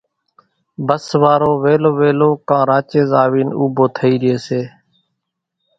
ڀس وارو وِيلو وِيلو ڪان راچينز آوينَ اُوڀو ٿئِي ريئيَ سي۔